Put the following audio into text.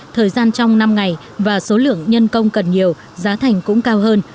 thời gian trong năm ngày và số lượng nhân công cần nhiều giá thành cũng cao hơn